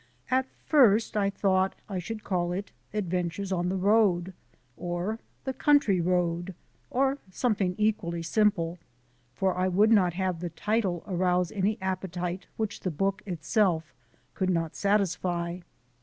At first I thought I should call it "Adventures on the Road," or "The Country Road," or something equally simple, for I would not have the title arouse any appetite which the book itself could not satisfy.